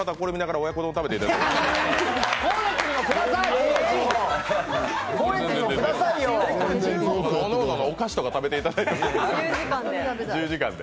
おのおのお菓子とか食べていただいて、自由時間で。